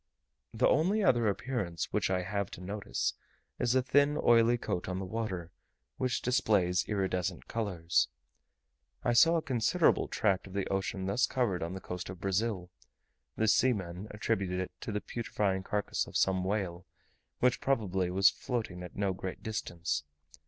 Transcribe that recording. The only other appearance which I have to notice, is a thin oily coat on the water which displays iridescent colours. I saw a considerable tract of the ocean thus covered on the coast of Brazil; the seamen attributed it to the putrefying carcase of some whale, which probably was floating at no great distance.